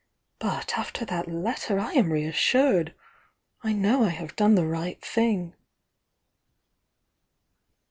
— but after that letter I am reassured ! I know I have done the right thing."